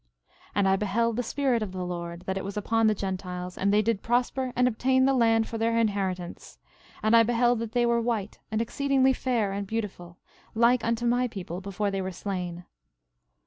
13:15 And I beheld the Spirit of the Lord, that it was upon the Gentiles, and they did prosper and obtain the land for their inheritance; and I beheld that they were white, and exceedingly fair and beautiful, like unto my people before they were slain.